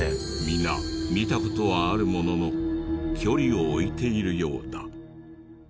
皆見た事はあるものの距離を置いているようだ。